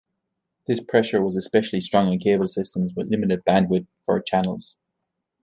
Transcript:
This pressure was especially strong on cable systems with limited bandwidth for channels.